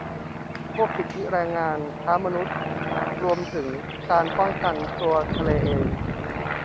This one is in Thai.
พวกสิทธิแรงงาน ค้ามนุษย์ รวมถึงการปกป้องตัวทะเลเอง